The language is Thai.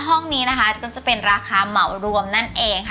ห้องนี้นะคะก็จะเป็นราคาเหมารวมนั่นเองค่ะ